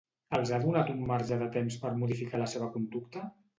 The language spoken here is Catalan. Els ha donat un marge de temps per modificar la seva conducta?